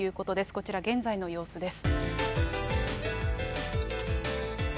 こちら、現在の様子です。